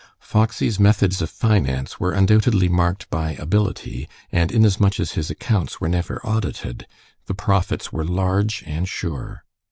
Foxy's methods of finance were undoubtedly marked by ability, and inasmuch as his accounts were never audited, the profits were large and sure.